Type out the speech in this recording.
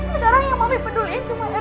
sekarang yang mami peduli cuma edward